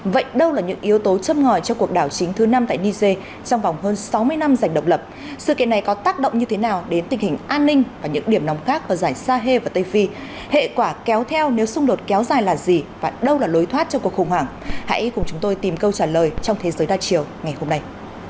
vậy đâu là những yếu tố chấp ngòi cho cuộc đảo chính thứ năm tại niger trong vòng hơn sáu mươi năm giành độc lập sự kiện này có tác động như thế nào đến tình hình an ninh và những điểm nóng khác ở giải sahe và tây phi hệ quả kéo theo nếu xung đột kéo dài là gì và đâu là lối thoát cho cuộc khủng hoảng hãy cùng chúng tôi tìm câu trả lời trong thế giới đa chiều ngày hôm nay